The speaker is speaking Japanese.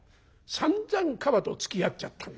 さんざんカバとつきあっちゃったんだ。